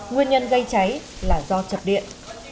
nguyên nhân gây cháy là do chập điện